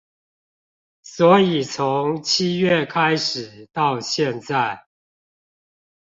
所以從七月開始到現在